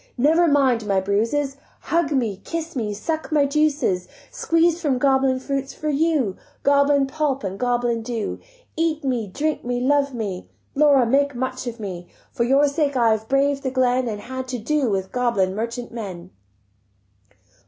Never mind my bruises, Hug me, kiss me, suck my juices Squeez'd from goblin fruits for you, Goblin pulp and goblin dew. Eat me, drink me, love me; Laura, make much of me; For your sake I have braved the glen And had to do with goblin merchant men."